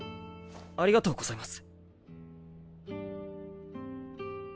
ありがとうございます。